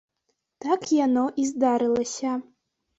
Так яно і здарылася.